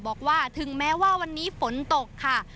บอกว่าถึงแม้ว่าวันนี้ฝนตกค่ะ